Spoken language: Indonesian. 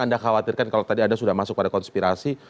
anda khawatirkan kalau tadi anda sudah masuk pada konspirasi